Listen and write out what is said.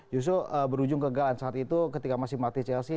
justru berujung kegalan saat itu ketika masih mati chelsea